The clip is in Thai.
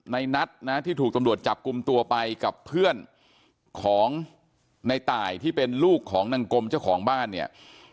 ในนัทนะที่ถูกตำรวจจับกลุ่มตัวไปกับเพื่อนของในตายที่เป็นลูกของนางกลมเจ้าของบ้านเนี่ย